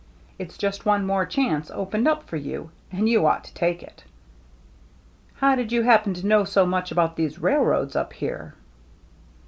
It's just one more chance opened up for you, and you ought to take it." " How did you happen to know so much about these railroads up here ?